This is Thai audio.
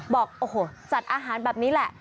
บอกโอ้โหจัดอาหารแบบนี้แหละ